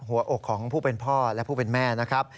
หัวอกของผู้เป็นพ่อและผู้เป็นแม่นะครับ